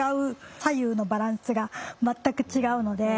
左右のバランスが全く違うので。